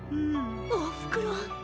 おふくろ。